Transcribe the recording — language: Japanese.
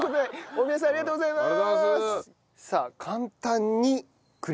大宮さんありがとうございます！